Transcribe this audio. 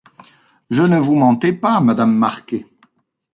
Je ne vous mentais pas, Madame Marquet.